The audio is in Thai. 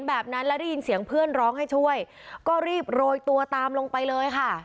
แบบนั้นแล้วได้ยินเสียงเพื่อนร้องให้ช่วยก็รีบโรยตัวตามลงไปเลยค่ะ